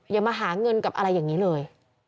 อย่ามาหาเงินกับอะไรอย่างนี้เลย